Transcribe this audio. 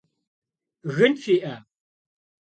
Gın fi'e?